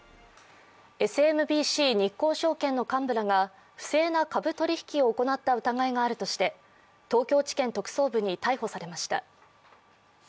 ＳＭＢＣ日興証券の幹部らが不正な株取引を行った疑いがあるとして東京地検特捜部に逮捕されました。